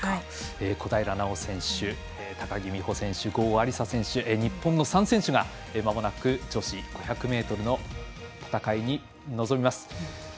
小平奈緒選手高木美帆選手郷亜里砂選手、日本の３選手がまもなく女子５００ｍの戦いに臨みます。